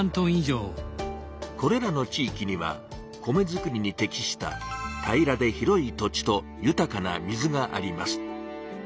これらの地いきには米づくりに適した平らで広い土地と豊かな水があります。